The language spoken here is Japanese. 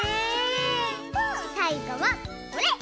さいごはこれ！